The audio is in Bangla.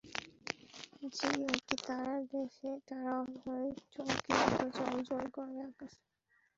ঝিকিমিকি তারার দেশে তারা হয়ে চুমকির মতো জ্বল জ্বল করো আকাশে।